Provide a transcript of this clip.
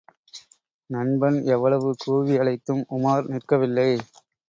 நண்பன் எவ்வளவு கூவியழைத்தும் உமார் நிற்கவில்லை!